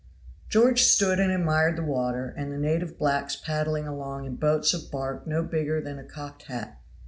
George stood and admired the water and the native blacks paddling along in boats of bark no bigger than a cocked hat.